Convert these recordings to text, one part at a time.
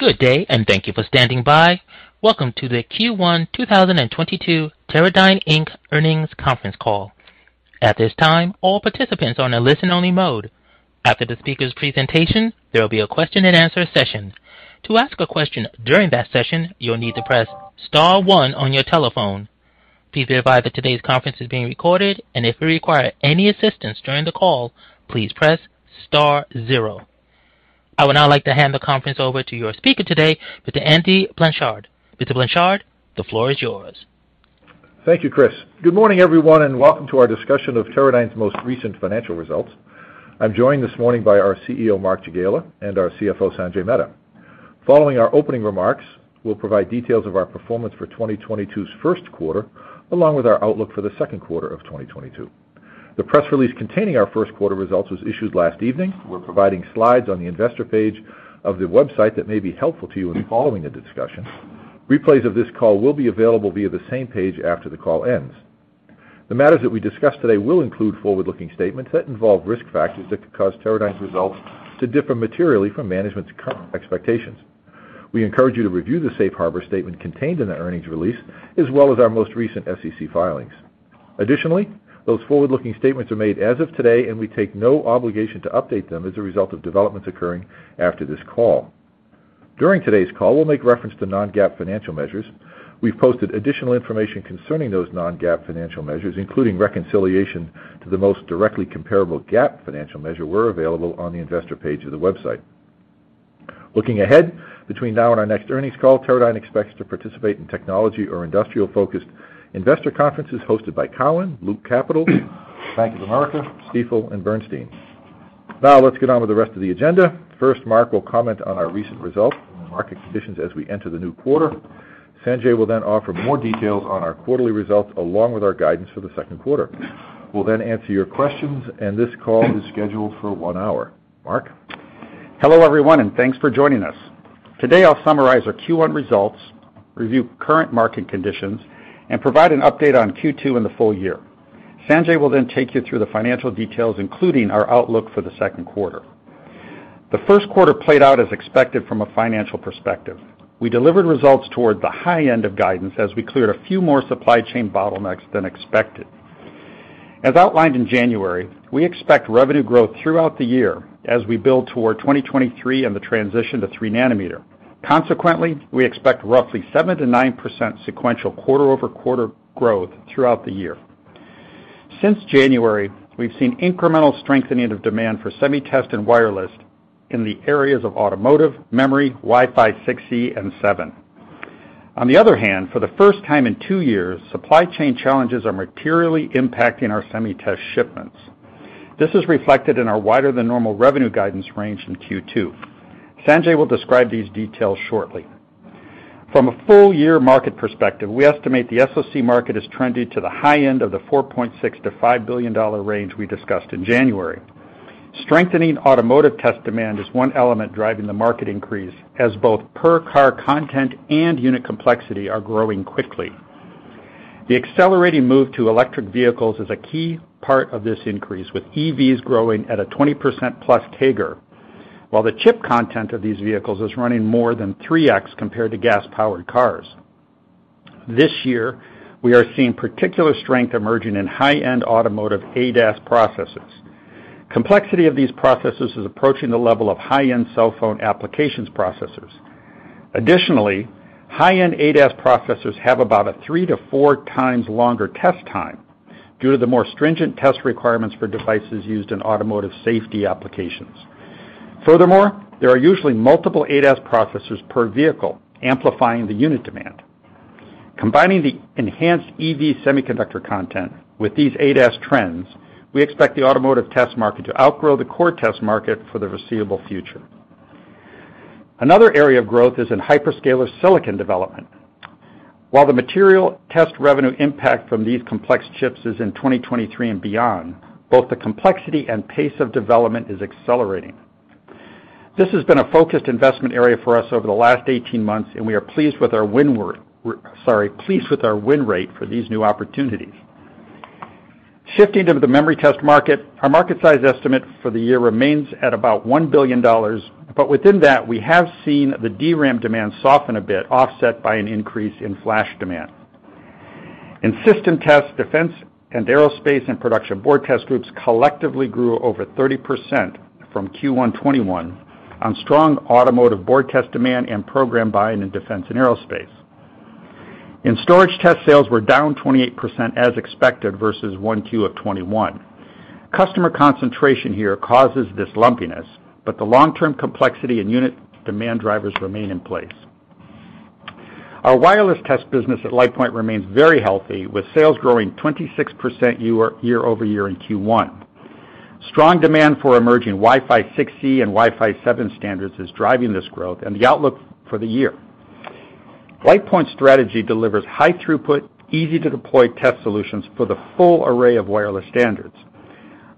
Good day, and thank you for standing by. Welcome to the Q1 2022 Teradyne Inc. earnings conference call. At this time, all participants are in a listen-only mode. After the speaker's presentation, there will be a question-and-answer session. To ask a question during that session, you'll need to press star one on your telephone. Please be advised that today's conference is being recorded, and if you require any assistance during the call, please press star zero. I would now like to hand the conference over to your speaker today, Mr. Andy Blanchard. Mr. Blanchard, the floor is yours. Thank you. Good morning, everyone, and welcome to our discussion of Teradyne's most recent financial results. I'm joined this morning by our CEO, Mark Jagiela, and our CFO, Sanjay Mehta. Following our opening remarks, we'll provide details of our performance for 2022's first quarter, along with our outlook for the second quarter of 2022. The press release containing our first quarter results was issued last evening. We're providing slides on the investor page of the website that may be helpful to you in following the discussion. Replays of this call will be available via the same page after the call ends. The matters that we discuss today will include forward-looking statements that involve risk factors that could cause Teradyne's results to differ materially from management's current expectations. We encourage you to review the safe harbor statement contained in the earnings release, as well as our most recent SEC filings. Additionally, those forward-looking statements are made as of today, and we take no obligation to update them as a result of developments occurring after this call. During today's call, we'll make reference to non-GAAP financial measures. We've posted additional information concerning those non-GAAP financial measures, including reconciliations to the most directly comparable GAAP financial measures, which are available on the investor page of the website. Looking ahead, between now and our next earnings call, Teradyne expects to participate in technology or industrial-focused investor conferences hosted by Cowen, Loop Capital, Bank of America, Stifel, and Bernstein. Now let's get on with the rest of the agenda. First, Mark will comment on our recent results and the market conditions as we enter the new quarter. Sanjay will then offer more details on our quarterly results along with our guidance for the second quarter. We'll then answer your questions, and this call is scheduled for one hour. Mark? Hello, everyone, and thanks for joining us. Today, I'll summarize our Q1 results, review current market conditions, and provide an update on Q2 and the full year. Sanjay will then take you through the financial details, including our outlook for the second quarter. The first quarter played out as expected from a financial perspective. We delivered results toward the high end of guidance as we cleared a few more supply chain bottlenecks than expected. As outlined in January, we expect revenue growth throughout the year as we build toward 2023 and the transition to 3-nanometer. Consequently, we expect roughly 7%–9% sequential quarter-over-quarter growth throughout the year. Since January, we've seen incremental strengthening of demand for Semi Test and wireless in the areas of automotive, memory, Wi-Fi 6E and Wi-Fi 7. On the other hand, for the first time in 2 years, supply chain challenges are materially impacting our Semi Test shipments. This is reflected in our wider than normal revenue guidance range in Q2. Sanjay will describe these details shortly. From a full-year market perspective, we estimate the SoC market has trended to the high end of the $4.6 billion–$5 billion range we discussed in January. Strengthening automotive test demand is one element driving the market increase, as both per-car content and unit complexity are growing quickly. The accelerating move to electric vehicles is a key part of this increase, with EVs growing at a 20%+ CAGR, with the chip content of these vehicles is running more than 3x compared to gas-powered cars. This year, we are seeing particular strength emerging in high-end automotive ADAS processors. Complexity of these processors is approaching the level of high-end cell phone applications processors. Additionally, high-end ADAS processors have about a 3x-4x longer test time due to the more stringent test requirements for devices used in automotive safety applications. Furthermore, there are usually multiple ADAS processors per vehicle, amplifying the unit demand. Combining the enhanced EV semiconductor content with these ADAS trends, we expect the automotive test market to outgrow the core test market for the foreseeable future. Another area of growth is in hyperscaler silicon development. While the material test revenue impact from these complex chips is in 2023 and beyond, both the complexity and pace of development is accelerating. This has been a focused investment area for us over the last 18 months, and we are pleased with our win rate for these new opportunities. Shifting to the memory test market, our market size estimate for the year remains at about $1 billion, but within that, we have seen the DRAM demand soften a bit, offset by an increase in flash demand. In System Test, defense and aerospace and production board test groups collectively grew over 30% from Q1 2021 on strong automotive board test demand and program buying in defense and aerospace. In Storage Test, sales were down 28% as expected versus Q1 2021. Customer concentration here causes this lumpiness, but the long-term complexity and unit demand drivers remain in place. Our wireless test business at LitePoint remains very healthy, with sales growing 26% year-over-year in Q1. Strong demand for emerging Wi-Fi 6E and Wi-Fi 7 standards is driving this growth and the outlook for the year. LitePoint's strategy delivers high throughput, easy-to-deploy test solutions for the full array of wireless standards.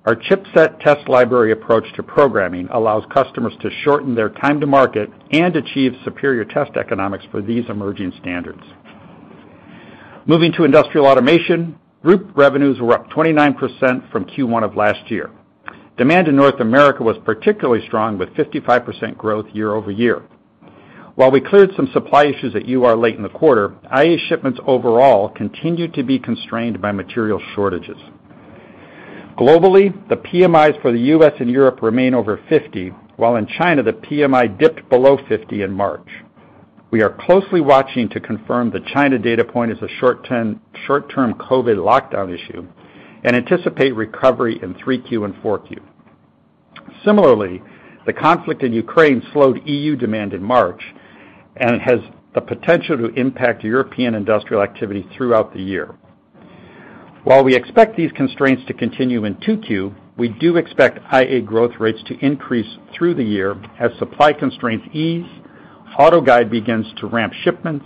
Our chipset test library approach to programming allows customers to shorten their time to market and achieve superior test economics for these emerging standards. Moving to industrial automation, group revenues were up 29% from Q1 of last year. Demand in North America was particularly strong, with 55% growth year-over-year. While we cleared some supply issues at UR late in the quarter, IA shipments overall continued to be constrained by material shortages. Globally, the PMIs for the U.S. and Europe remain over 50, while in China, the PMI dipped below 50 in March. We are closely watching to confirm the China data point as a short-term COVID lockdown issue, and anticipate recovery in Q3 and Q4. Similarly, the conflict in Ukraine slowed EU demand in March, and it has the potential to impact European industrial activity throughout the year. While we expect these constraints to continue in Q2, we do expect IA growth rates to increase through the year as supply constraints ease, AutoGuide begins to ramp shipments,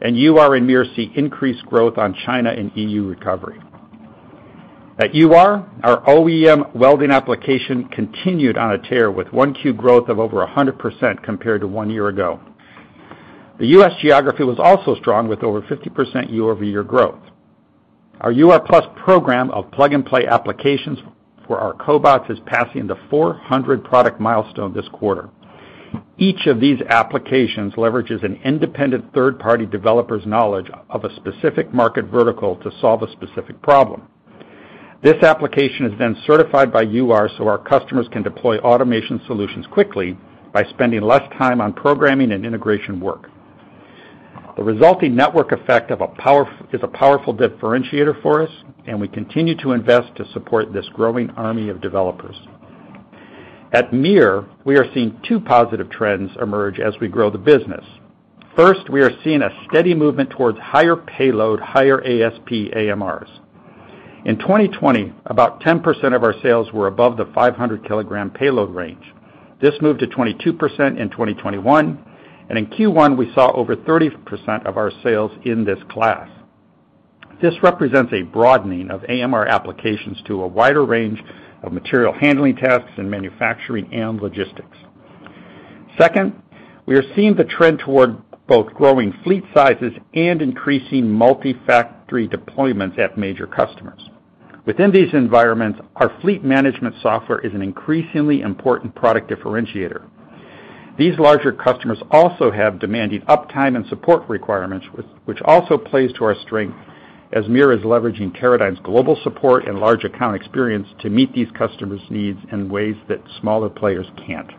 and UR and MiR see increased growth on China and EU recovery. At UR, our OEM welding application continued on a tear with Q1 growth of over 100% compared to one year ago. The U.S. geography was also strong, with over 50% year-over-year growth. Our UR+ program of plug-and-play applications for our cobots is passing the 400 product milestone this quarter. Each of these applications leverages an independent third-party developer's knowledge of a specific market vertical to solve a specific problem. This application is then certified by UR so our customers can deploy automation solutions quickly by spending less time on programming and integration work. The resulting network effect is a powerful differentiator for us, and we continue to invest to support this growing army of developers. At MiR, we are seeing two positive trends emerge as we grow the business. First, we are seeing a steady movement towards higher payload, higher ASP AMRs. In 2020, about 10% of our sales were above the 500 kilogram payload range. This moved to 22% in 2021, and in Q1, we saw over 30% of our sales in this class. This represents a broadening of AMR applications to a wider range of material handling tasks in manufacturing and logistics. Second, we are seeing the trend toward both growing fleet sizes and increasing multi-factory deployments at major customers. Within these environments, our fleet management software is an increasingly important product differentiator. These larger customers also have demanding uptime and support requirements, which also plays to our strength as MiR is leveraging Teradyne's global support and large account experience to meet these customers' needs in ways that smaller players can't.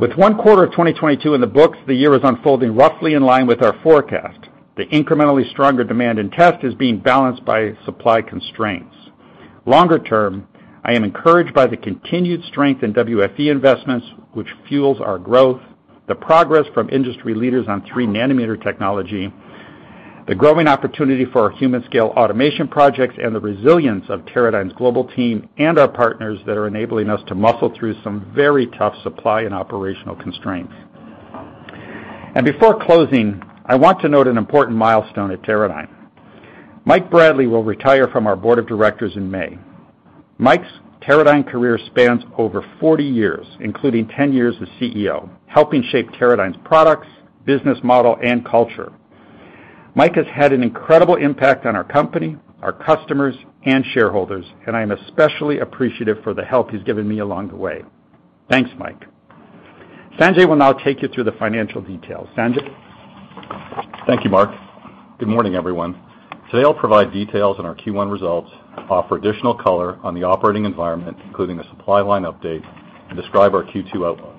With one quarter of 2022 in the books, the year is unfolding roughly in line with our forecast. The incrementally stronger demand in test is being balanced by supply constraints. Longer term, I am encouraged by the continued strength in WFE investments, which fuels our growth, the progress from industry leaders on 3-nanometer technology, the growing opportunity for our human-scale automation projects, and the resilience of Teradyne's global team and our partners that are enabling us to muscle through some very tough supply and operational constraints. Before closing, I want to note an important milestone at Teradyne. Mike Bradley will retire from our board of directors in May. Mike's Teradyne career spans over 40 years, including 10 years as CEO, helping shape Teradyne's products, business model, and culture. Mike has had an incredible impact on our company, our customers, and shareholders, and I am especially appreciative for the help he's given me along the way. Thanks, Mike. Sanjay will now take you through the financial details. Sanjay? Thank you, Mark. Good morning, everyone. Today, I'll provide details on our Q1 results, offer additional color on the operating environment, including a supply line update, and describe our Q2 outlook.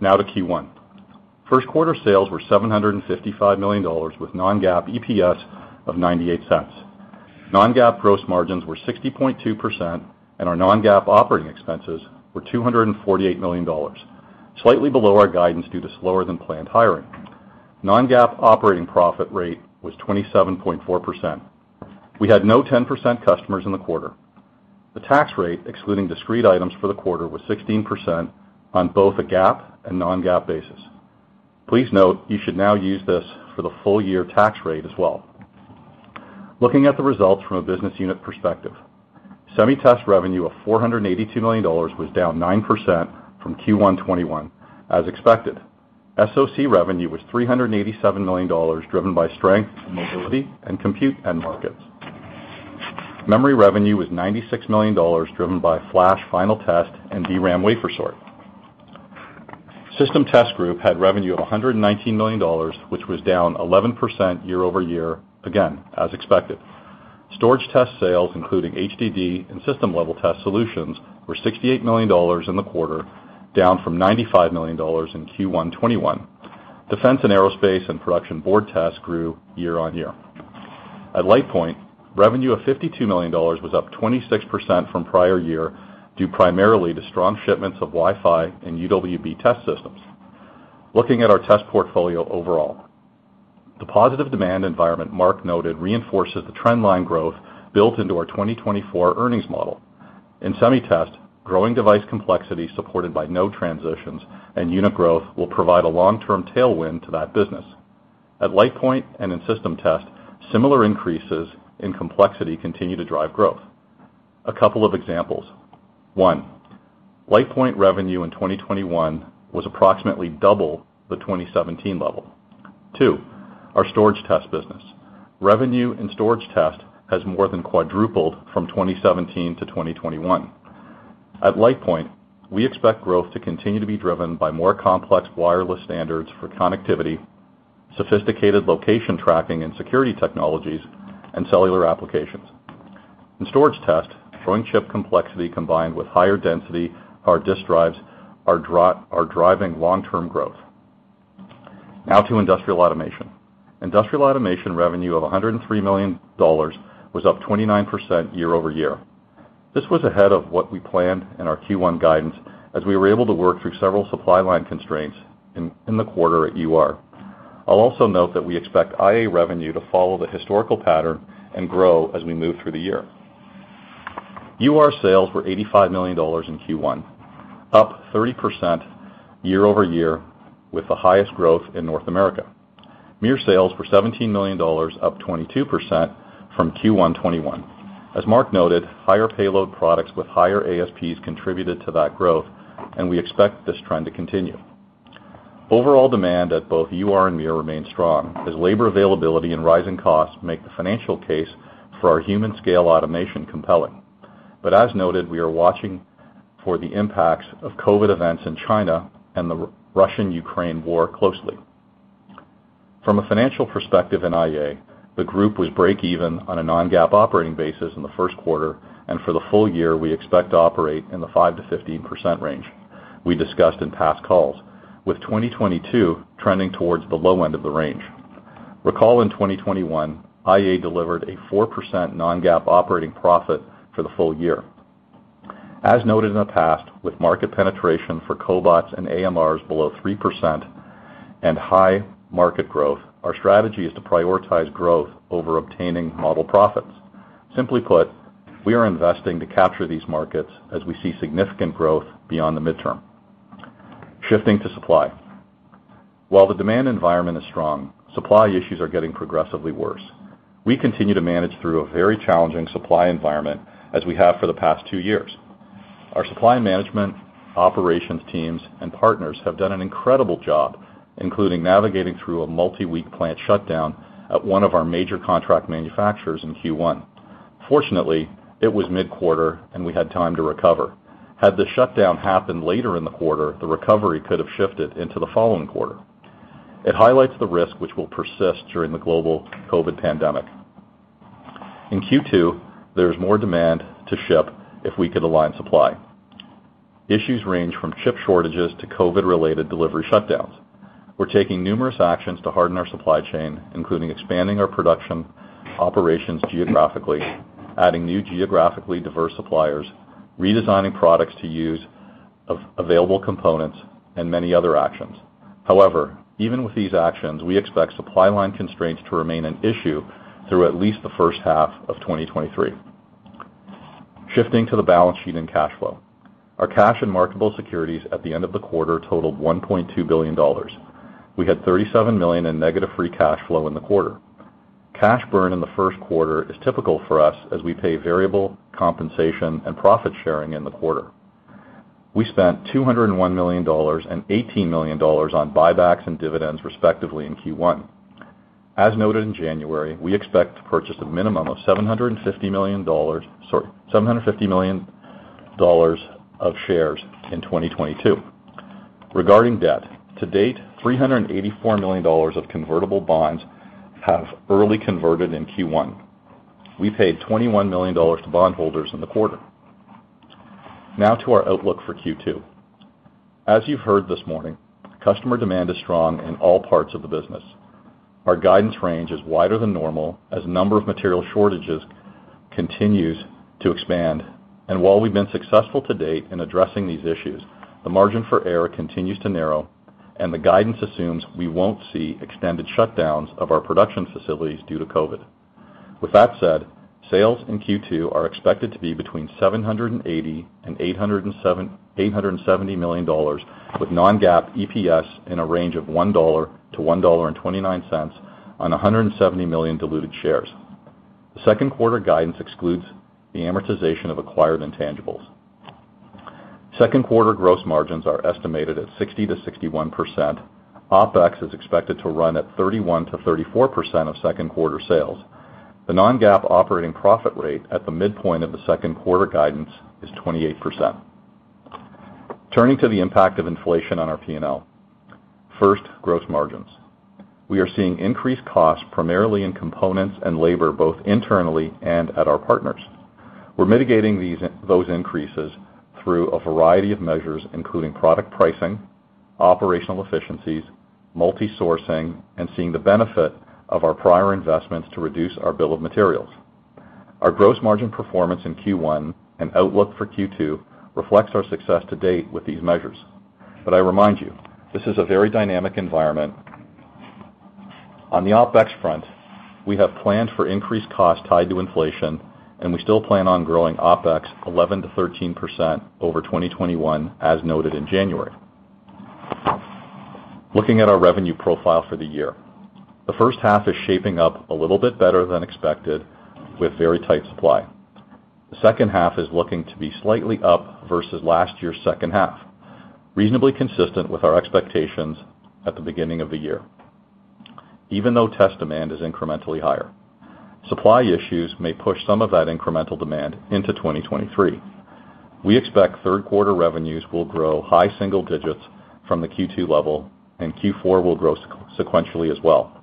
Now to Q1. First quarter sales were $755 million with non-GAAP EPS of $0.98. Non-GAAP gross margins were 60.2%, and our non-GAAP operating expenses were $248 million, slightly below our guidance due to slower than planned hiring. Non-GAAP operating profit rate was 27.4%. We had no 10% customers in the quarter. The tax rate, excluding discrete items for the quarter, was 16% on both a GAAP and non-GAAP basis. Please note you should now use this for the full year tax rate as well. Looking at the results from a business unit perspective. Semi Test revenue of $482 million was down 9% from Q1 2021, as expected. SoC revenue was $387 million, driven by strength in mobility and compute end markets. Memory revenue was $96 million, driven by flash final test and DRAM wafer sort. System Test group had revenue of $119 million, which was down 11% year-over-year, again, as expected. Storage test sales, including HDD and system-level test solutions, were $68 million in the quarter, down from $95 million in Q1 2021. Defense and aerospace and production board tests grew year-over-year. At LitePoint, revenue of $52 million was up 26% from prior year, due primarily to strong shipments of Wi-Fi and UWB test systems. Looking at our test portfolio overall, the positive demand environment Mark noted reinforces the trend line growth built into our 2024 earnings model. In Semi Test, growing device complexity supported by node transitions and unit growth will provide a long-term tailwind to that business. At LitePoint and in System Test, similar increases in complexity continue to drive growth. A couple of examples. One, LitePoint revenue in 2021 was approximately double the 2017 level. Two, our storage test business. Revenue in storage test has more than quadrupled from 2017 to 2021. At LitePoint, we expect growth to continue to be driven by more complex wireless standards for connectivity, sophisticated location tracking and security technologies, and cellular applications. In storage test, growing chip complexity combined with higher density hard disk drives are driving long-term growth. Now to industrial automation. Industrial automation revenue of $103 million was up 29% year-over-year. This was ahead of what we planned in our Q1 guidance as we were able to work through several supply line constraints in the quarter at UR. I'll also note that we expect IA revenue to follow the historical pattern and grow as we move through the year. UR sales were $85 million in Q1, up 30% year-over-year with the highest growth in North America. MiR sales were $17 million, up 22% from Q1 2021. As Mark noted, higher payload products with higher ASPs contributed to that growth, and we expect this trend to continue. Overall demand at both UR and MiR remains strong as labor availability and rising costs make the financial case for our human-scale automation compelling. As noted, we are watching for the impacts of COVID events in China and the Russian-Ukraine war closely. From a financial perspective in IA, the group was breakeven on a non-GAAP operating basis in the first quarter, and for the full year, we expect to operate in the 5%–15% range we discussed in past calls, with 2022 trending towards the low end of the range. Recall in 2021, IA delivered a 4% non-GAAP operating profit for the full year. As noted in the past, with market penetration for cobots and AMRs below 3% and high market growth, our strategy is to prioritize growth over obtaining modest profits. Simply put, we are investing to capture these markets as we see significant growth beyond the midterm. Shifting to supply. While the demand environment is strong, supply issues are getting progressively worse. We continue to manage through a very challenging supply environment as we have for the past two years. Our supply management operations teams and partners have done an incredible job, including navigating through a multi-week plant shutdown at one of our major contract manufacturers in Q1. Fortunately, it was mid-quarter and we had time to recover. Had the shutdown happened later in the quarter, the recovery could have shifted into the following quarter. It highlights the risk which will persist during the global COVID-19 pandemic. In Q2, there is more demand to ship if we could align supply. Issues range from chip shortages to COVID-related delivery shutdowns. We're taking numerous actions to harden our supply chain, including expanding our production operations geographically, adding new geographically diverse suppliers, redesigning products to use available components, and many other actions. However, even with these actions, we expect supply line constraints to remain an issue through at least the first half of 2023. Shifting to the balance sheet and cash flow. Our cash and marketable securities at the end of the quarter totaled $1.2 billion. We had $37 million in negative free cash flow in the quarter. Cash burn in the first quarter is typical for us as we pay variable compensation and profit sharing in the quarter. We spent $201 million and $18 million on buybacks and dividends, respectively, in Q1. As noted in January, we expect to purchase a minimum of $750 million of shares in 2022. Regarding debt, to date, $384 million of convertible bonds have early converted in Q1. We paid $21 million to bondholders in the quarter. Now to our outlook for Q2. As you've heard this morning, customer demand is strong in all parts of the business. Our guidance range is wider than normal as number of material shortages continues to expand. While we've been successful to date in addressing these issues, the margin for error continues to narrow, and the guidance assumes we won't see extended shutdowns of our production facilities due to COVID. With that said, sales in Q2 are expected to be between $780 million and $870 million with non-GAAP EPS in a range of $1.00–$1.29 on 170 million diluted shares. The second quarter guidance excludes the amortization of acquired intangibles. Second quarter gross margins are estimated at 60%–61%. OpEx is expected to run at 31%–34% of second quarter sales. The non-GAAP operating profit rate at the midpoint of the second quarter guidance is 28%. Turning to the impact of inflation on our P&L. First, gross margins. We are seeing increased costs primarily in components and labor, both internally and at our partners. We're mitigating these increases through a variety of measures, including product pricing, operational efficiencies, multi-sourcing, and seeing the benefit of our prior investments to reduce our bill of materials. Our gross margin performance in Q1 and outlook for Q2 reflects our success to date with these measures. I remind you, this is a very dynamic environment. On the OpEx front, we have planned for increased cost tied to inflation, and we still plan on growing OpEx 11%–13% over 2021 as noted in January. Looking at our revenue profile for the year, the first half is shaping up a little bit better than expected with very tight supply. The second half is looking to be slightly up versus last year's second half, reasonably consistent with our expectations at the beginning of the year. Even though test demand is incrementally higher, supply issues may push some of that incremental demand into 2023. We expect third quarter revenues will grow high single digits from the Q2 level, and Q4 will grow sequentially as well.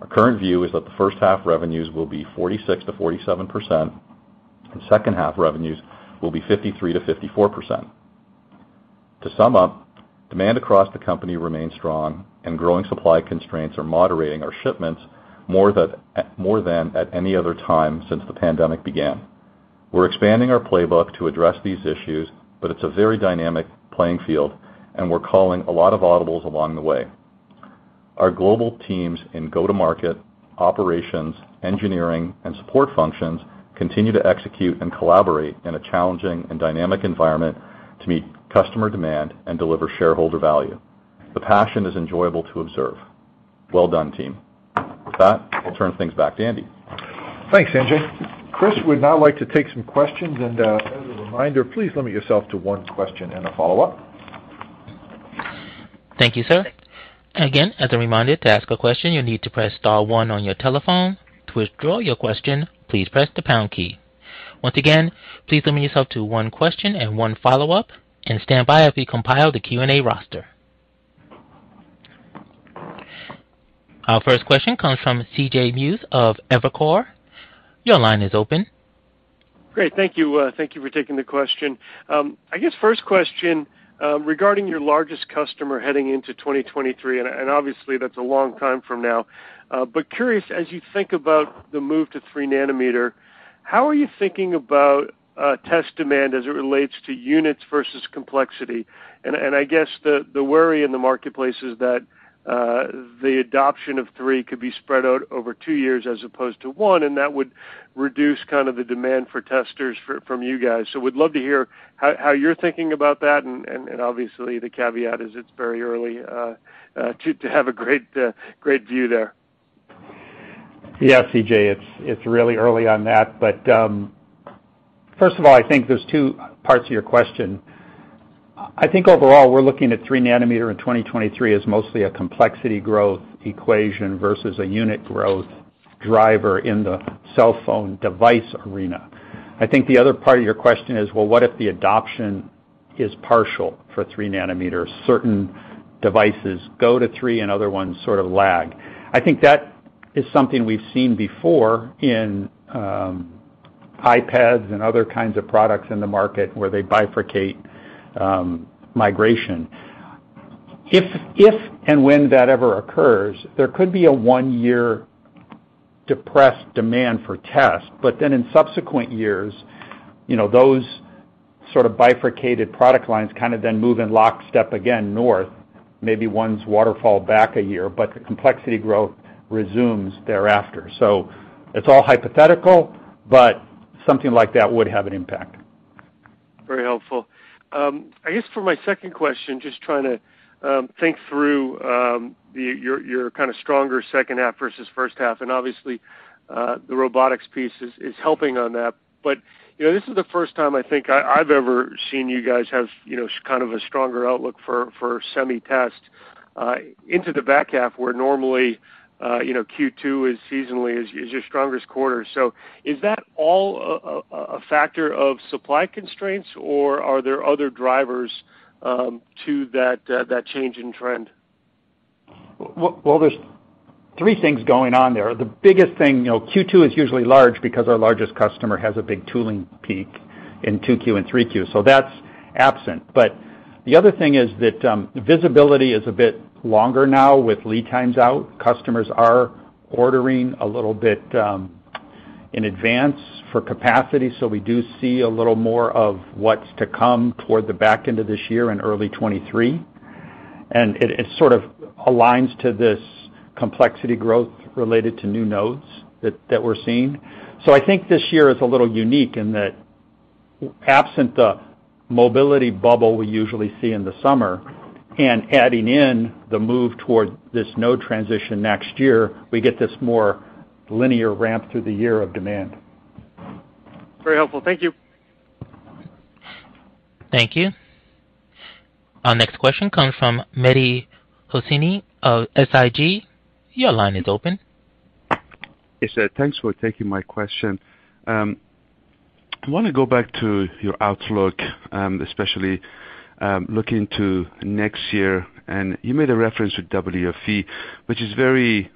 Our current view is that the first half revenues will be 46%–47%, and second half revenues will be 53%–54%. To sum up, demand across the company remains strong and growing supply constraints are moderating our shipments more than at any other time since the pandemic began. We're expanding our playbook to address these issues, but it's a very dynamic playing field, and we're calling a lot of audibles along the way. Our global teams in go-to-market, operations, engineering, and support functions continue to execute and collaborate in a challenging and dynamic environment to meet customer demand and deliver shareholder value. The passion is enjoyable to observe. Well done, team. With that, I'll turn things back to Andy. Thanks, MJ. Chris would now like to take some questions. As a reminder, please limit yourself to one question and a follow-up. Thank you, sir. Again, as a reminder, to ask a question, you need to press star one on your telephone. To withdraw your question, please press the pound key. Once again, please limit yourself to one question and one follow-up, and stand by as we compile the Q&A roster. Our first question comes from C.J. Muse of Evercore. Your line is open. Great. Thank you. Thank you for taking the question. I guess first question, regarding your largest customer heading into 2023, and obviously that's a long time from now. Curious, as you think about the move to 3-nanometer, how are you thinking about test demand as it relates to units versus complexity? I guess the worry in the marketplace is that the adoption of 3 could be spread out over two years as opposed to one, and that would reduce kind of the demand for testers from you guys. We'd love to hear how you're thinking about that, and obviously, the caveat is it's very early to have a great view there. Yes, C.J., it's really early on that. First of all, I think there's two parts to your question. I think overall, we're looking at 3-nanometer in 2023 as mostly a complexity growth equation versus a unit growth driver in the cell phone device arena. I think the other part of your question is, well, what if the adoption is partial for 3-nanometer? Certain devices go to 3 and other ones sort of lag. I think that is something we've seen before in iPads and other kinds of products in the market where they bifurcate migration. If and when that ever occurs, there could be a one-year depressed demand for test. Then in subsequent years, you know, those sort of bifurcated product lines kind of then move in lockstep again north. Maybe one's waterfall back a year, but the complexity growth resumes thereafter. It's all hypothetical, but something like that would have an impact. Very helpful. I guess for my second question, just trying to think through your kind of stronger second half versus first half, and obviously the robotics piece is helping on that. You know, this is the first time I think I've ever seen you guys have, you know, kind of a stronger outlook for Semi Test into the back half, where normally you know Q2 is seasonally your strongest quarter. Is that all a factor of supply constraints, or are there other drivers to that change in trend? Well, there's three things going on there. The biggest thing, you know, Q2 is usually large because our largest customer has a big tooling peak in Q2 and Q3, so that's absent. The other thing is that visibility is a bit longer now with lead times out. Customers are ordering a little bit in advance for capacity, so we do see a little more of what's to come toward the back end of this year and early 2023. It sort of aligns to this complexity growth related to new nodes that we're seeing. I think this year is a little unique in that absent the mobility bubble we usually see in the summer and adding in the move toward this node transition next year, we get this more linear ramp through the year of demand. Very helpful. Thank you. Thank you. Our next question comes from Mehdi Hosseini of SIG. Your line is open. Yes, sir. Thanks for taking my question. I want to go back to your outlook, especially, looking to next year. You made a reference to WFE, which is very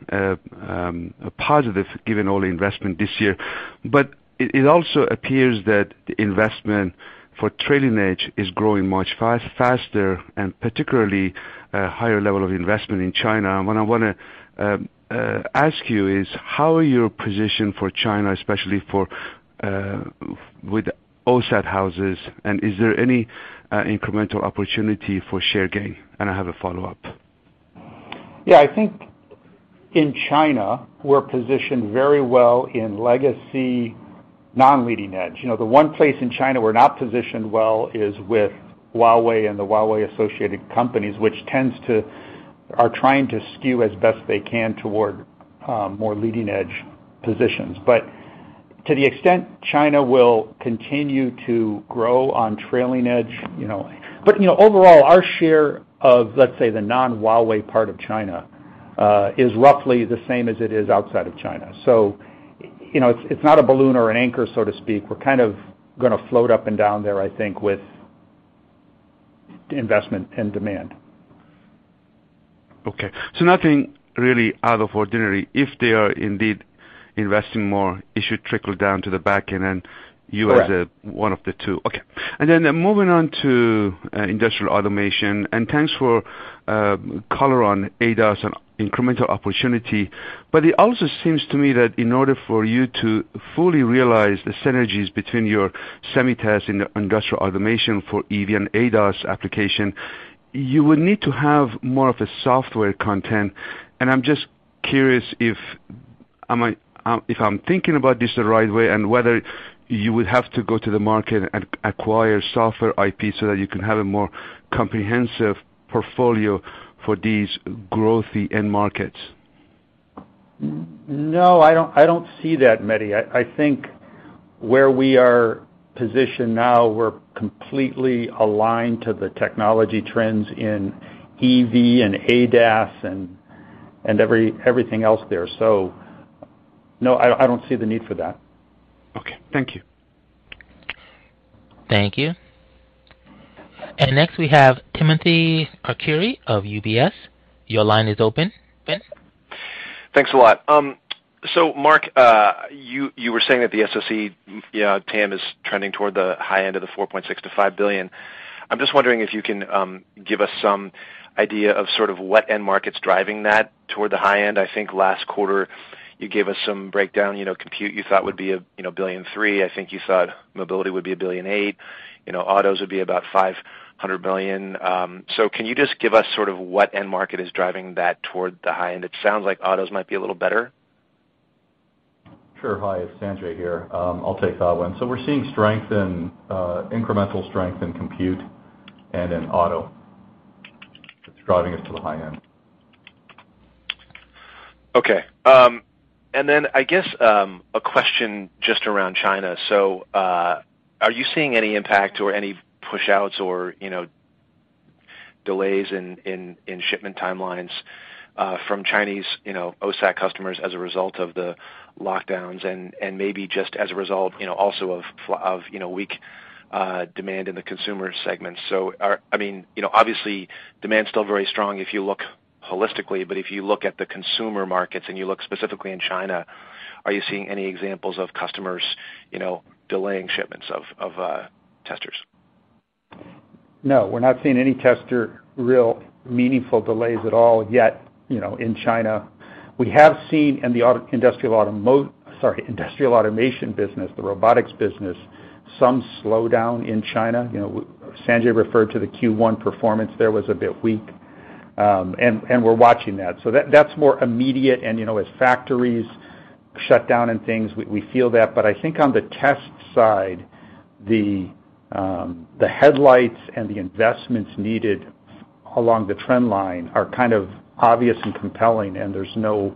positive given all the investment this year. But it also appears that the investment for trailing-edge is growing much faster and particularly a higher level of investment in China. What I want to ask you is how are you positioned for China, especially for with OSAT houses, and is there any incremental opportunity for share gain? I have a follow-up. Yeah, I think in China, we're positioned very well in legacy non-leading-edge. You know, the one place in China we're not positioned well is with Huawei and the Huawei-associated companies, which are trying to skew as best they can toward more leading-edge positions. To the extent China will continue to grow on trailing-edge, you know. You know, overall, our share of, let's say, the non-Huawei part of China, is roughly the same as it is outside of China. You know, it's not a balloon or an anchor, so to speak. We're kind of going to float up and down there, I think, with investment and demand. Okay. Nothing really out of the ordinary. If they are indeed investing more, it should trickle down to the back, and then you- Correct. As one of the two. Okay. Then moving on to industrial automation, and thanks for color on ADAS and incremental opportunity. It also seems to me that in order for you to fully realize the synergies between your Semi Test and the industrial automation for EV and ADAS application, you would need to have more of a software content. I'm just curious if I'm thinking about this the right way and whether you would have to go to the market and acquire software IP so that you can have a more comprehensive portfolio for these growthy end markets. No, I don't see that, Mehdi. I think where we are positioned now, we're completely aligned to the technology trends in EV and ADAS and everything else there. No, I don't see the need for that. Okay, thank you. Thank you. Next, we have Timothy Arcuri of UBS. Your line is open. Thanks a lot. Mark, you were saying that the SoC, you know, TAM is trending toward the high end of the $4.6–$5 billion. I'm just wondering if you can give us some idea of sort of what end markets driving that toward the high end. I think last quarter you gave us some breakdown, you know, compute, you thought would be a $1.3 billion. I think you thought mobility would be a $1.8 billion, you know, autos would be about $500 million. Can you just give us sort of what end market is driving that toward the high end? It sounds like autos might be a little better. Sure. Hi, it's Sanjay here. I'll take that one. We're seeing incremental strength in compute and in auto. It's driving us to the high end. Okay. I guess a question just around China. Are you seeing any impact or any push outs or, you know, delays in shipment timelines from Chinese, you know, OSAT customers as a result of the lockdowns and maybe just as a result, you know, also of weak demand in the consumer segment? I mean, you know, obviously demand's still very strong if you look holistically, but if you look at the consumer markets and you look specifically in China, are you seeing any examples of customers, you know, delaying shipments of testers? No, we're not seeing any real meaningful tester delays at all yet, you know, in China. We have seen in the industrial automation business, the robotics business, some slowdown in China. You know, Sanjay referred to the Q1 performance there was a bit weak, and we're watching that. That's more immediate. You know, as factories shut down and things, we feel that. I think on the test side, the headlights and the investments needed along the trend line are kind of obvious and compelling, and there's not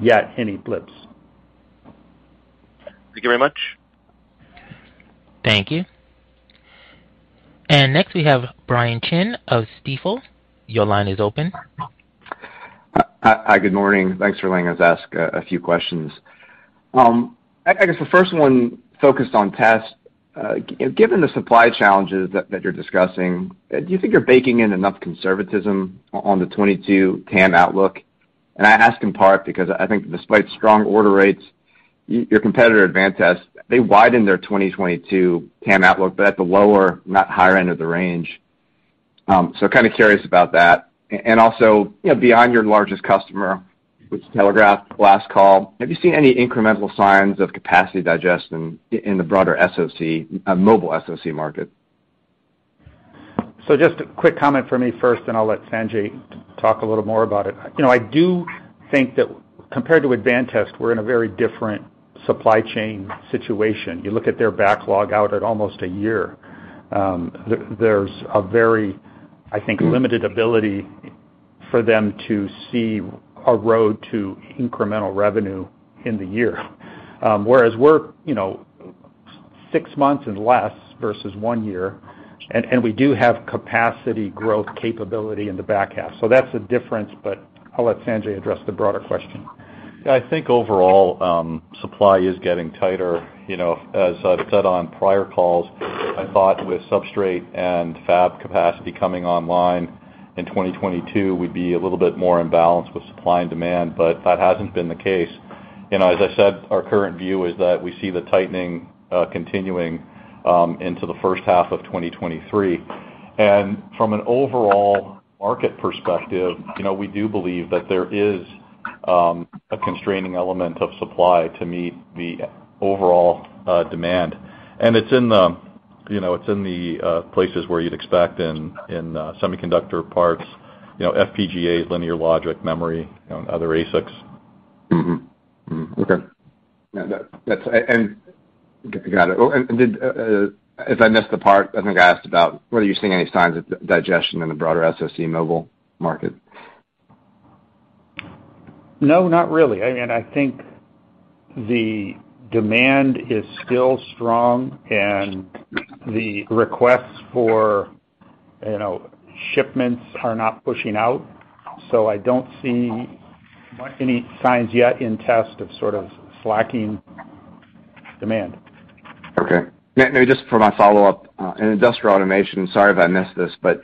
yet any blips. Thank you very much. Thank you. Next, we have Brian Chin of Stifel. Your line is open. Hi. Good morning. Thanks for letting us ask a few questions. I guess the first one focused on test. Given the supply challenges that you're discussing, do you think you're baking in enough conservatism on the 2022 TAM outlook? I ask in part because I think despite strong order rates, your competitor Advantest, they widened their 2022 TAM outlook, but at the lower, not higher end of the range. So kind of curious about that. Also, you know, beyond your largest customer, which telegraphed last call, have you seen any incremental signs of capacity digestion in the broader SoC, mobile SoC market? Just a quick comment from me first, then I'll let Sanjay talk a little more about it. You know, I do think that compared to Advantest, we're in a very different supply chain situation. You look at their backlog out at almost a year. There's a very, I think, limited ability for them to see a road to incremental revenue in the year. Whereas we're, you know, six months and less versus one year, and we do have capacity growth capability in the back half. That's the difference, but I'll let Sanjay address the broader question. Yeah. I think overall, supply is getting tighter. You know, as I've said on prior calls, I thought with substrate and fab capacity coming online in 2022, we'd be a little bit more in balance with supply and demand, but that hasn't been the case. You know, as I said, our current view is that we see the tightening continuing into the first half of 2023. From an overall market perspective, you know, we do believe that there is A constraining element of supply to meet the overall demand. It's in the places where you'd expect in semiconductor parts, you know, FPGAs, linear logic, memory, and other ASICs. Okay. Got it. If I missed the part, I think I asked about whether you're seeing any signs of digestion in the broader SoC mobile market. No, not really. I think the demand is still strong, and the requests for, you know, shipments are not pushing out, so I don't see any signs yet in test of sort of slacking demand. Okay. Now just for my follow-up, in industrial automation, sorry if I missed this, but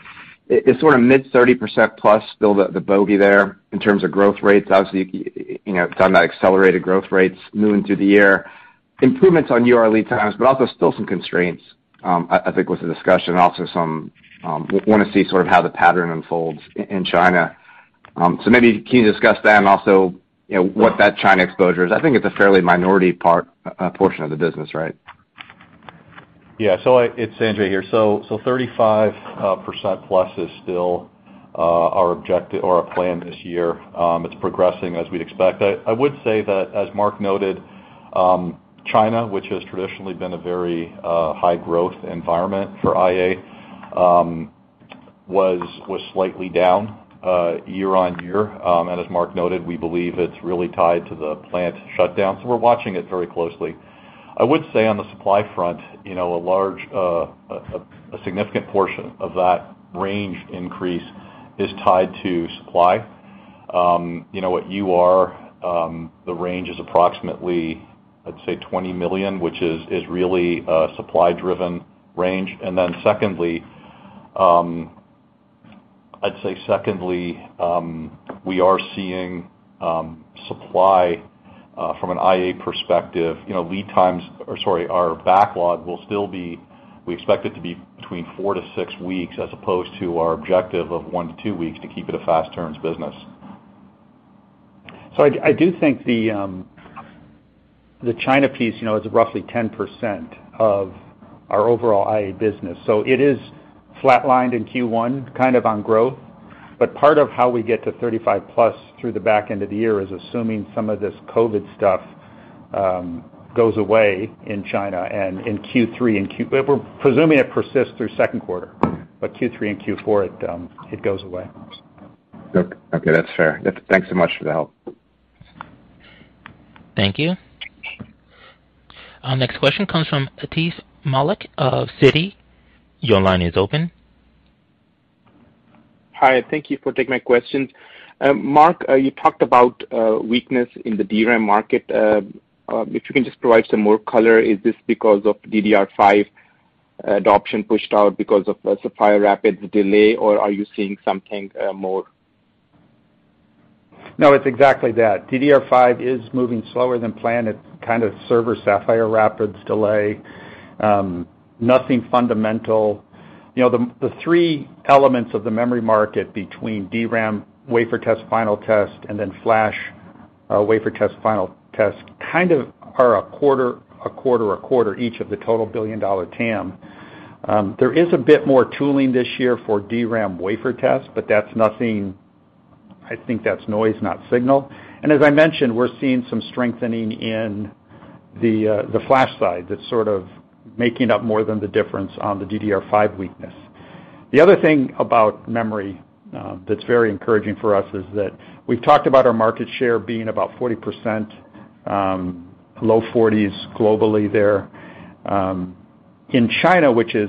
is sort of mid-30%+ still the bogey there in terms of growth rates? Obviously, you know, talking about accelerated growth rates moving through the year. Improvements on UR lead times, but also still some constraints, I think was the discussion. Also some want to see sort of how the pattern unfolds in China. Maybe can you discuss that and also, you know, what that China exposure is? I think it's a fairly minority part, portion of the business, right? Yeah. It's Sanjay Mehta here. 35%+ is still our objective or our plan this year. It's progressing as we'd expect. I would say that as Mark Jagiela noted, China, which has traditionally been a very high growth environment for IA, was slightly down year-on-year. As Mark Jagiela noted, we believe it's really tied to the plant shutdown, so we're watching it very closely. I would say on the supply front, you know, a significant portion of that range increase is tied to supply. You know, the range is approximately $20 million, which is really a supply-driven range. Secondly, we are seeing supply from an IA perspective, you know, lead times, or sorry, our backlog will still be. We expect it to be between 4–6 weeks as opposed to our objective of 1–2 weeks to keep it a fast turns business. I do think the China piece, you know, is roughly 10% of our overall IA business. It is flatlined in Q1, kind of no growth. Part of how we get to 35%+ through the back end of the year is assuming some of this COVID stuff goes away in China and in Q3 and Q4. We're presuming it persists through second quarter, but Q3 and Q4 it goes away. Okay. That's fair. Thanks so much for the help. Thank you. Our next question comes from Atif Malik of Citi. Your line is open. Hi, thank you for taking my questions. Mark, you talked about weakness in the DRAM market. If you can just provide some more color, is this because of DDR5 adoption pushed out because of Sapphire Rapids delay, or are you seeing something more? No, it's exactly that. DDR5 is moving slower than planned. It's kind of server Sapphire Rapids delay, nothing fundamental. You know, the three elements of the memory market between DRAM, wafer test, final test, and then flash, wafer test, final test, kind of are a quarter, a quarter, a quarter each of the total billion-dollar TAM. There is a bit more tooling this year for DRAM wafer test, but that's nothing. I think that's noise, not signal. As I mentioned, we're seeing some strengthening in the flash side that's sort of making up more than the difference on the DDR5 weakness. The other thing about memory that's very encouraging for us is that we've talked about our market share being about 40%, low 40s globally there. In China, which is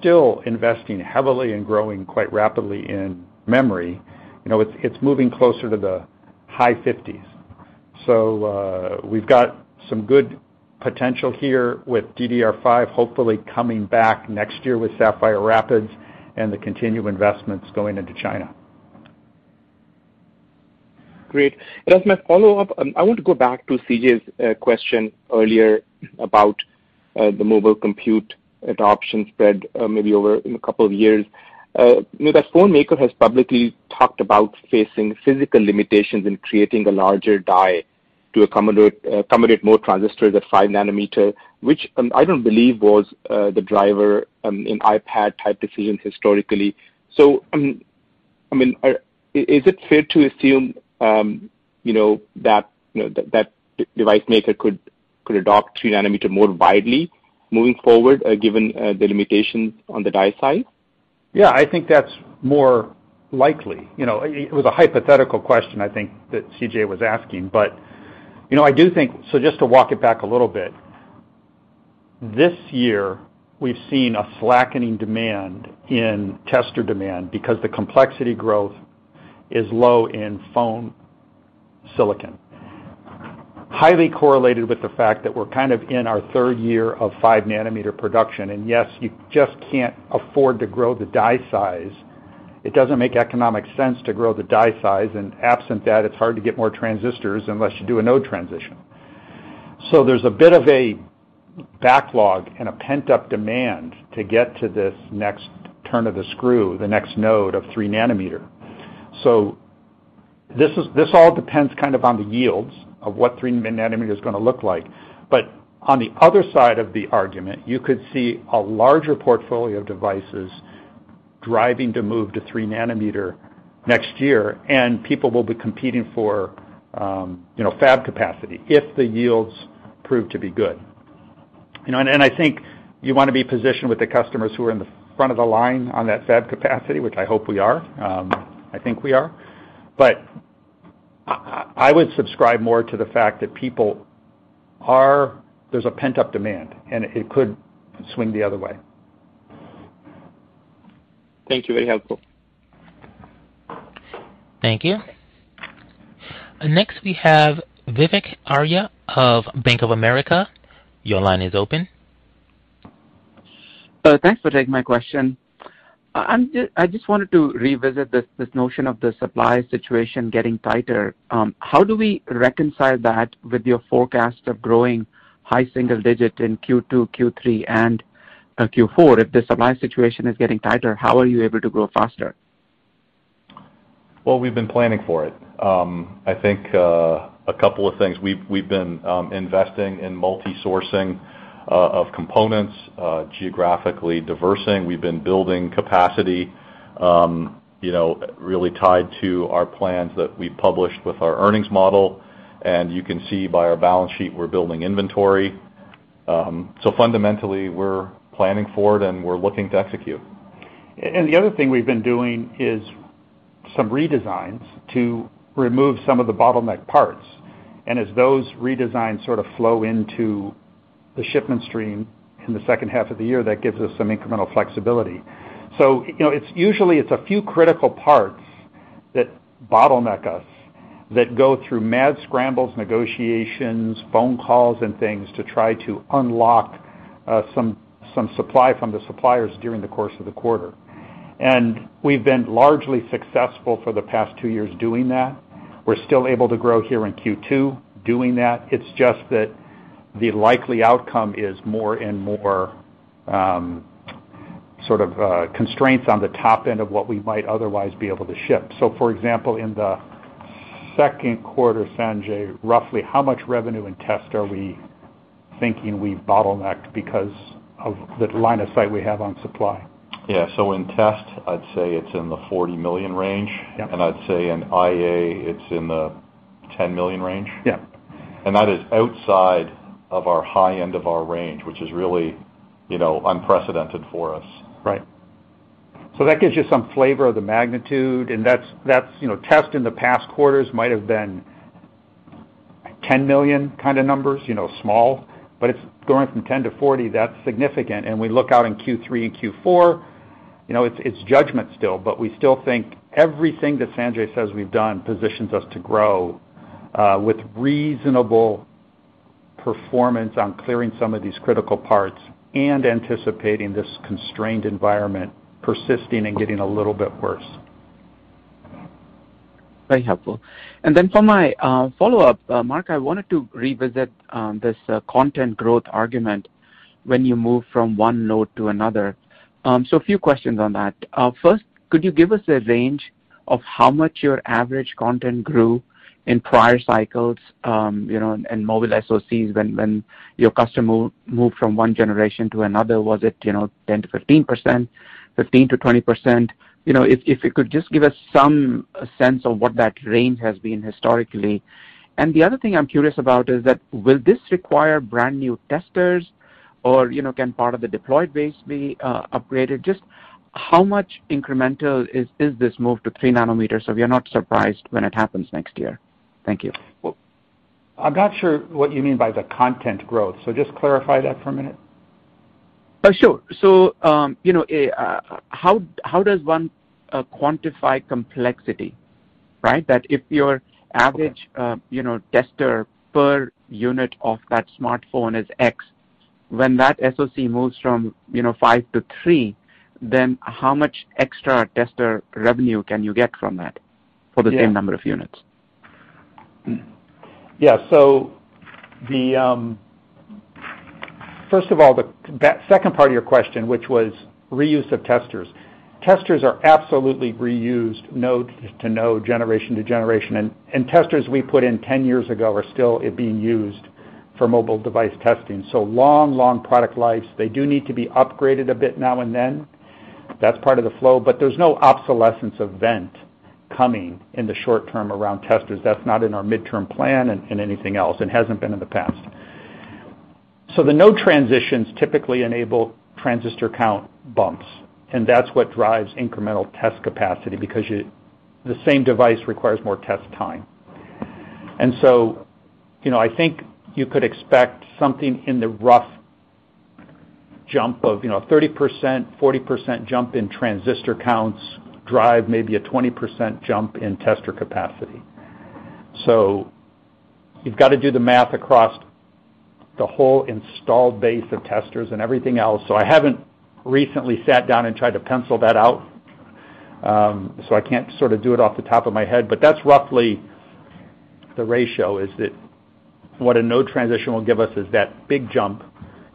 still investing heavily and growing quite rapidly in memory, you know, it's moving closer to the high fifties. We've got some good potential here with DDR5, hopefully coming back next year with Sapphire Rapids and the continued investments going into China. Great. As my follow-up, I want to go back to C.J.'s question earlier about the mobile compute adoption spread, maybe over in a couple of years. You know, that phone maker has publicly talked about facing physical limitations in creating a larger die to accommodate more transistors at 5-nanometer, which I don't believe was the driver in iPad-type decisions historically. I mean, is it fair to assume, you know, that device maker could adopt 3-nanometer more widely moving forward, given the limitations on the die side? Yeah, I think that's more likely. You know, it was a hypothetical question, I think, that C.J. was asking. You know, just to walk it back a little bit, this year we've seen a slackening demand in tester demand because the complexity growth is low in phone silicon. Highly correlated with the fact that we're kind of in our third year of 5-nanometer production, and yes, you just can't afford to grow the die size. It doesn't make economic sense to grow the die size, and absent that, it's hard to get more transistors unless you do a node transition. There's a bit of a backlog and a pent-up demand to get to this next turn of the screw, the next node of 3-nanometer. This all depends kind of on the yields of what 3-nanometer is going to look like. On the other side of the argument, you could see a larger portfolio of devices driving to move to 3-nanometer next year, and people will be competing for, you know, fab capacity if the yields prove to be good. You know, and I think you want to be positioned with the customers who are in the front of the line on that fab capacity, which I hope we are. I think we are. I would subscribe more to the fact that people are. There's a pent-up demand, and it could swing the other way. Thank you. Very helpful. Thank you. Next, we have Vivek Arya of Bank of America. Your line is open. Thanks for taking my question. I just wanted to revisit this notion of the supply situation getting tighter. How do we reconcile that with your forecast of growing high single digit in Q2, Q3, and Q4? If the supply situation is getting tighter, how are you able to grow faster? Well, we've been planning for it. I think a couple of things. We've been investing in multi-sourcing of components, geographically diversifying. We've been building capacity, you know, really tied to our plans that we published with our earnings model. You can see by our balance sheet, we're building inventory. Fundamentally, we're planning for it, and we're looking to execute. The other thing we've been doing is some redesigns to remove some of the bottleneck parts. As those redesigns sort of flow into the shipment stream in the second half of the year, that gives us some incremental flexibility. You know, it's usually a few critical parts that bottleneck us, that go through mad scrambles, negotiations, phone calls and things to try to unlock some supply from the suppliers during the course of the quarter. We've been largely successful for the past two years doing that. We're still able to grow here in Q2 doing that. It's just that the likely outcome is more and more, sort of, constraints on the top end of what we might otherwise be able to ship. For example, in the second quarter, Sanjay, roughly how much revenue and test are we thinking we've bottlenecked because of the line of sight we have on supply? Yeah. In test, I'd say it's in the $40 million range. Yeah. I'd say in IA, it's in the $10 million range. Yeah. That is outside of our high end of our range, which is really, you know, unprecedented for us. Right. That gives you some flavor of the magnitude, and that's, you know, test in the past quarters might have been $10 million kind of numbers, you know, small. It's going from $10 million–$40 million, that's significant. We look out in Q3 and Q4, you know, it's judgment still, but we still think everything that Sanjay says we've done positions us to grow with reasonable performance on clearing some of these critical parts and anticipating this constrained environment persisting and getting a little bit worse. Very helpful. For my follow-up, Mark, I wanted to revisit this content growth argument when you move from one node to another. A few questions on that. First, could you give us a range of how much your average content grew in prior cycles, you know, in mobile SoCs when your customer moved from one generation to another? Was it, you know, 10%-15%, 15%-20%? You know, if you could just give us some sense of what that range has been historically. The other thing I'm curious about is that will this require brand new testers or, you know, can part of the deployed base be upgraded? Just how much incremental is this move to 3-nanometer so we are not surprised when it happens next year? Thank you. Well, I'm not sure what you mean by the content growth, so just clarify that for a minute. Sure. You know, how does one quantify complexity, right? That if your average- Okay. you know, tester per unit of that smartphone is X, when that SoC moves from, you know, 5nm–3nm, then how much extra tester revenue can you get from that? Yeah. for the same number of units? Yeah. First of all, that second part of your question, which was reuse of testers. Testers are absolutely reused node to node, generation to generation. Testers we put in 10 years ago are still being used for mobile device testing. Long, long product lives. They do need to be upgraded a bit now and then. That's part of the flow. There's no obsolescence event coming in the short term around testers. That's not in our midterm plan and anything else, and hasn't been in the past. The node transitions typically enable transistor count bumps, and that's what drives incremental test capacity because the same device requires more test time. You know, I think you could expect something in the rough jump of, you know, 30%, 40% jump in transistor counts drive maybe a 20% jump in tester capacity. You've got to do the math across the whole installed base of testers and everything else. I haven't recently sat down and tried to pencil that out. I can't sort of do it off the top of my head, but that's roughly the ratio is that what a node transition will give us is that big jump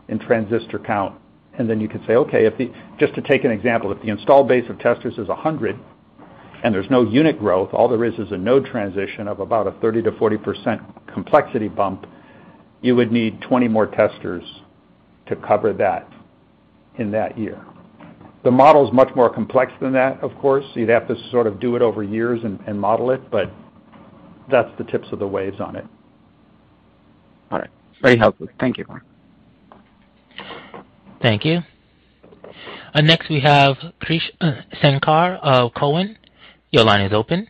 in transistor count, and then you can say, okay, if the Just to take an example, if the installed base of testers is 100 and there's no unit growth, all there is is a node transition of about a 30%-40% complexity bump, you would need 20 more testers to cover that in that year. The model is much more complex than that, of course. You'd have to sort of do it over years and model it, but that's the tips of the waves on it. All right. Very helpful. Thank you. Thank you. Next we have Krish Sankar of Cowen. Your line is open.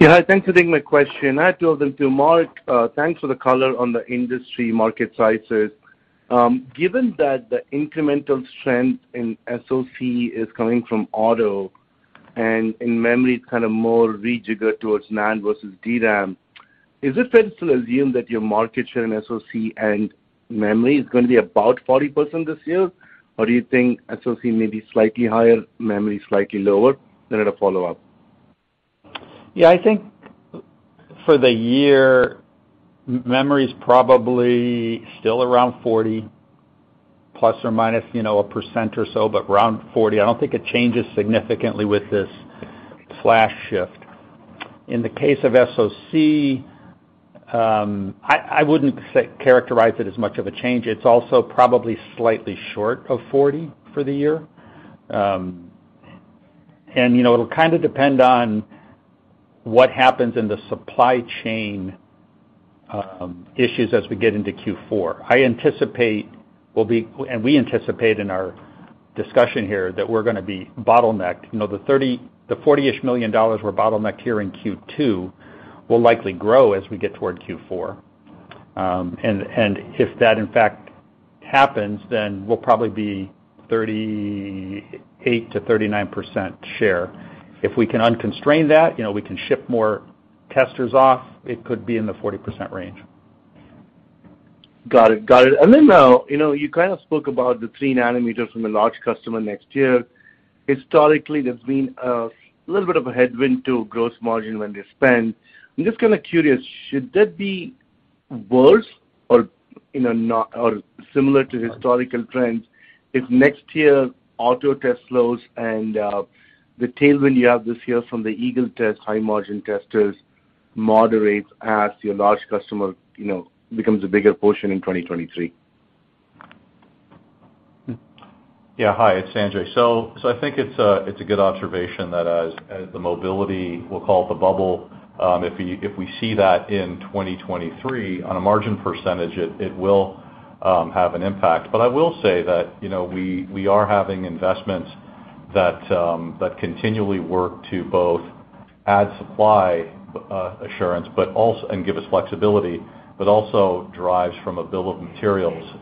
Yeah. Thanks for taking my question. I had two of them. To Mark, thanks for the color on the industry market sizes. Given that the incremental strength in SoC is coming from auto and in memory it's kind of more rejiggered towards NAND versus DRAM, is it fair to assume that your market share in SoC and memory is going to be about 40% this year? Or do you think SoC may be slightly higher, memory slightly lower? A follow-up. Yeah, I think for the year, memory is probably still around 40 ±, you know, a percent or so, but around 40. I don't think it changes significantly with this flash shift. In the case of SoC, I wouldn't characterize it as much of a change. It's also probably slightly short of 40 for the year. You know, it'll kind of depend on what happens in the supply chain issues as we get into Q4. I anticipate and we anticipate in our discussion here that we're going to be bottlenecked. You know, the $40-ish million we're bottlenecked here in Q2 will likely grow as we get toward Q4. If that in fact happens, then we'll probably be 38%–39% share. If we can unconstrain that, you know, we can ship more testers off, it could be in the 40% range. Got it. You know, you kind of spoke about the 3-nanometer from a large customer next year. Historically, there's been a little bit of a headwind to gross margin when they spend. I'm just kind of curious, should that be worse or, you know, or similar to historical trends if next year auto test slows and, the tailwind you have this year from the Eagle Test, high margin testers moderates as your large customer, you know, becomes a bigger portion in 2023? Yeah. Hi, it's Sanjay. I think it's a good observation that as the mobility, we'll call it the bubble, if we see that in 2023, on a margin percentage, it will have an impact. I will say that, you know, we are having investments that continually work to both add supply assurance, but also and give us flexibility, but also drives from a bill of materials.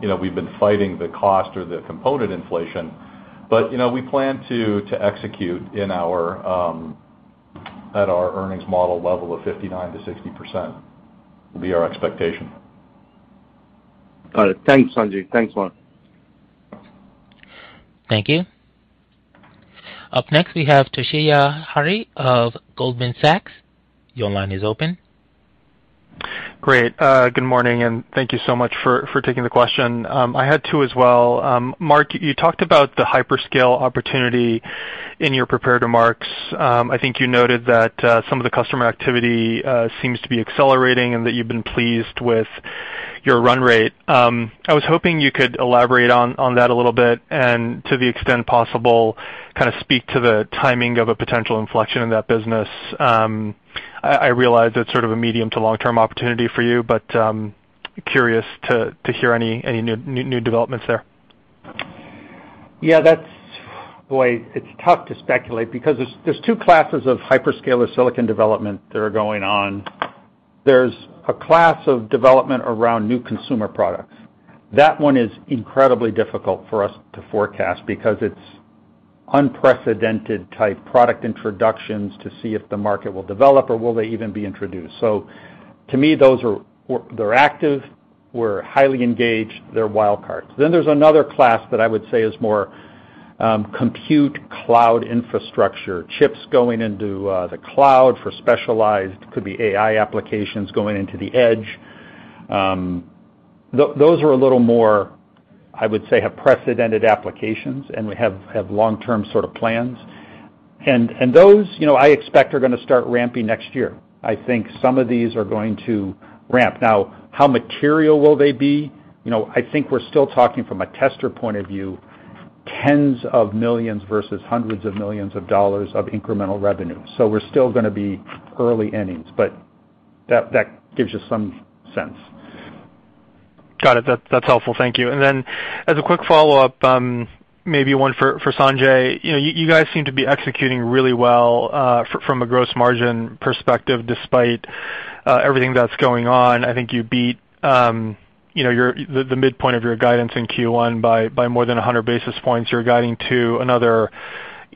You know, we've been fighting the cost or the component inflation, but, you know, we plan to execute at our earnings model level of 59%-60% will be our expectation. All right. Thanks, Sanjay. Thanks, Mark. Thank you. Up next we have Toshiya Hari of Goldman Sachs. Your line is open. Great. Good morning, and thank you so much for taking the question. I had two as well. Mark, you talked about the hyperscale opportunity in your prepared remarks. I think you noted that some of the customer activity seems to be accelerating and that you've been pleased with your run rate. I was hoping you could elaborate on that a little bit and to the extent possible, kind of speak to the timing of a potential inflection in that business. I realize it's sort of a medium to long-term opportunity for you, but curious to hear any new developments there. Yeah, that's. Boy, it's tough to speculate because there's two classes of hyperscaler silicon development that are going on. There's a class of development around new consumer products. That one is incredibly difficult for us to forecast because it's unprecedented type product introductions to see if the market will develop or will they even be introduced. To me, those are active, we're highly engaged, they're wild cards. There's another class that I would say is more compute cloud infrastructure, chips going into the cloud for specialized, could be AI applications going into the edge. Those are a little more, I would say, have precedented applications, and we have long-term sort of plans. Those, you know, I expect are going to start ramping next year. I think some of these are going to ramp. Now, how material will they be? You know, I think we're still talking from a tester point of view, tens of millions versus hundreds of millions of incremental revenue. We're still going to be early innings, but that gives you some sense. Got it. That’s helpful. Thank you. As a quick follow-up, maybe one for Sanjay. You know, you guys seem to be executing really well from a gross margin perspective despite everything that’s going on. I think you beat the midpoint of your guidance in Q1 by more than 100 basis points. You’re guiding to another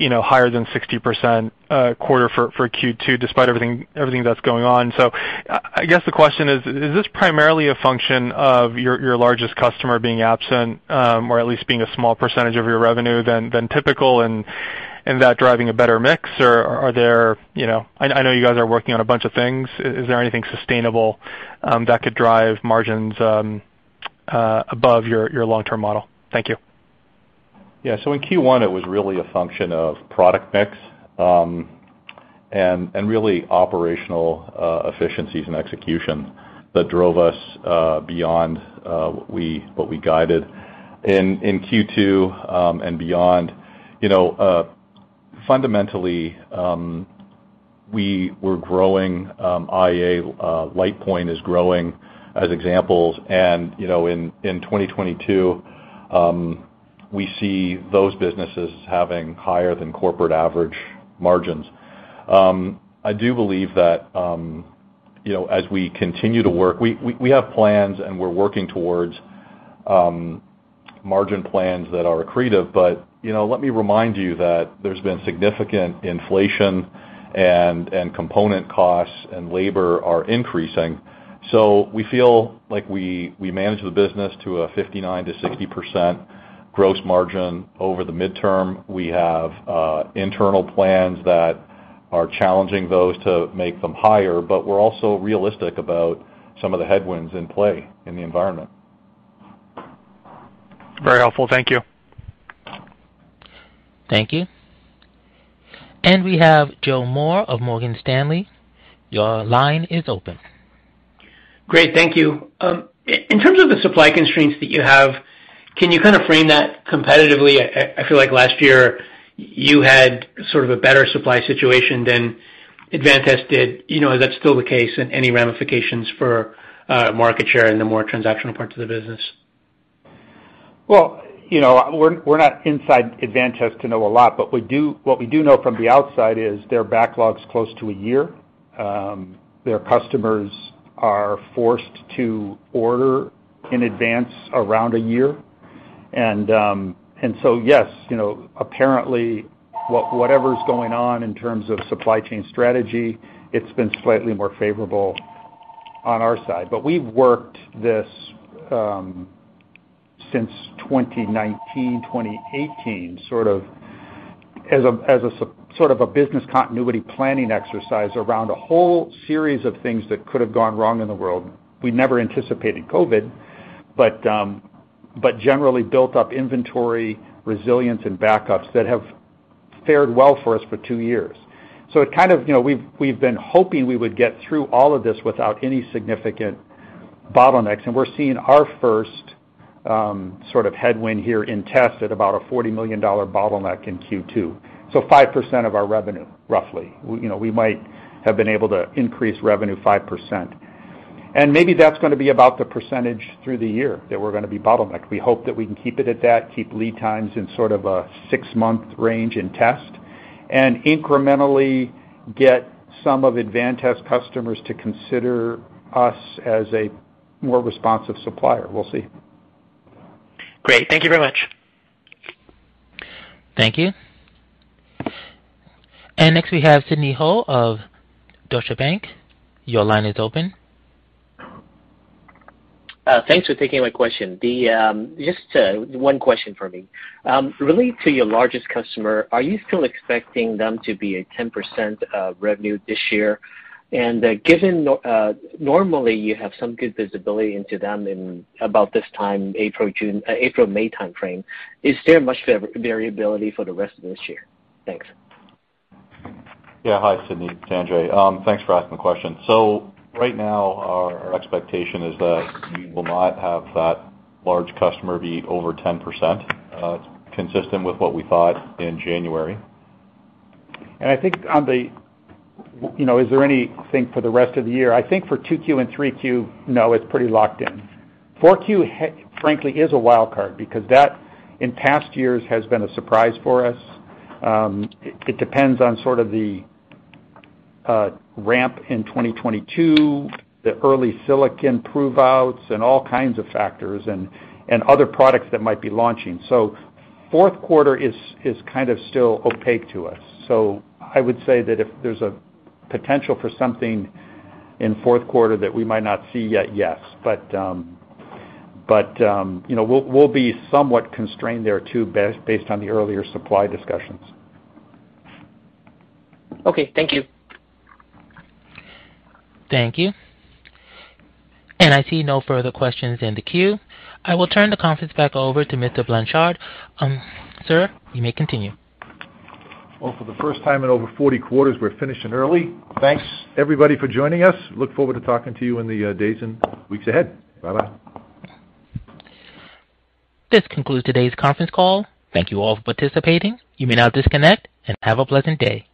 higher than 60% quarter for Q2 despite everything that’s going on. I guess the question is this primarily a function of your largest customer being absent, or at least being a small percentage of your revenue than typical? That driving a better mix or are there. You know, I know you guys are working on a bunch of things. Is there anything sustainable that could drive margins above your long-term model? Thank you. Yeah. In Q1, it was really a function of product mix, and really operational efficiencies and execution that drove us beyond what we guided. In Q2 and beyond, you know, fundamentally, we were growing IA. LitePoint is growing as examples. You know, in 2022, we see those businesses having higher than corporate average margins. I do believe that, you know, as we continue to work, we have plans and we're working towards margin plans that are accretive. But, you know, let me remind you that there's been significant inflation and component costs and labor are increasing. We feel like we manage the business to a 59%-60% gross margin over the midterm. We have internal plans that are challenging those to make them higher, but we're also realistic about some of the headwinds in play in the environment. Very helpful. Thank you. Thank you. We have Joe Moore of Morgan Stanley. Your line is open. Great, thank you. In terms of the supply constraints that you have, can you kind of frame that competitively? I feel like last year you had sort of a better supply situation than Advantest did. You know, is that still the case and any ramifications for market share in the more transactional parts of the business? Well, you know, we're not inside Advantest to know a lot, but what we do know from the outside is their backlog's close to a year. Their customers are forced to order in advance around a year. Yes, you know, apparently, whatever's going on in terms of supply chain strategy, it's been slightly more favorable on our side. We've worked this since 2019, 2018, sort of as a sort of business continuity planning exercise around a whole series of things that could have gone wrong in the world. We never anticipated COVID, but generally built up inventory, resilience and backups that have fared well for us for two years. It kind of, you know, we've been hoping we would get through all of this without any significant bottlenecks, and we're seeing our first sort of headwind here in test at about a $40 million bottleneck in Q2. Five percent of our revenue, roughly. You know, we might have been able to increase revenue 5%. Maybe that's going to be about the percentage through the year that we're going to be bottlenecked. We hope that we can keep it at that, keep lead times in sort of a 6-month range in test, and incrementally get some of Advantest customers to consider us as a more responsive supplier. We'll see. Great. Thank you very much. Thank you. Next, we have Sidney Ho of Deutsche Bank. Your line is open. Thanks for taking my question. Just one question for me. Related to your largest customer, are you still expecting them to be at 10% of revenue this year? Given normally you have some good visibility into them in about this time, April, June, April-May timeframe, is there much variability for the rest of this year? Thanks. Yeah. Hi, Sidney. It's Sanjay. Thanks for asking the question. Right now, our expectation is that we will not have that large customer be over 10%, consistent with what we thought in January. I think on the, you know, is there anything for the rest of the year? I think for Q2 and Q3, no, it's pretty locked in. Q4, frankly, is a wild card because that, in past years, has been a surprise for us. It depends on sort of the ramp in 2022, the early silicon prove-outs and all kinds of factors and other products that might be launching. Fourth quarter is kind of still opaque to us. I would say that if there's a potential for something in fourth quarter that we might not see yet, yes. You know, we'll be somewhat constrained there too, based on the earlier supply discussions. Okay. Thank you. Thank you. I see no further questions in the queue. I will turn the conference back over to Mr. Blanchard. Sir, you may continue. Well, for the first time in over 40 quarters, we're finishing early. Thanks everybody for joining us. Look forward to talking to you in the days and weeks ahead. Bye-bye. This concludes today's conference call. Thank you all for participating. You may now disconnect and have a pleasant day.